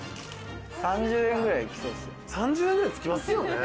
３０円ぐらいつきますよね。